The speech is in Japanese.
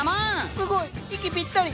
すごい息ぴったり。